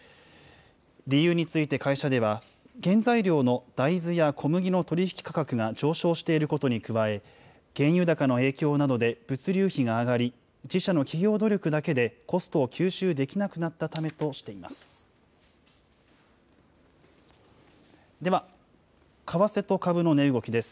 理由について会社では、原材料の大豆や小麦の取引価格が上昇していることに加え、原油高の影響などで物流費が上がり、自社の企業努力だけでコストを吸収できなくなったためとしています。